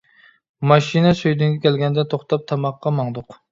ماشىنا سۈيدۈڭگە كەلگەندە توختاپ تاماققا ماڭدۇق.